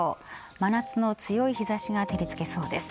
真夏の強い日差しが照りつけそうです。